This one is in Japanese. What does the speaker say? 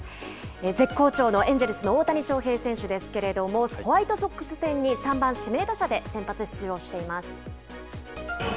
絶好調のエンジェルスの大谷翔平選手ですけれども、ホワイトソックス戦に３番指名打者で先発出場しています。